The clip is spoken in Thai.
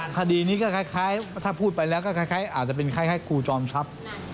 คดีนี้ก็คล้ายถ้าพูดไปแล้วก็คล้ายอาจจะเป็นคล้ายครูจอมทรัพย์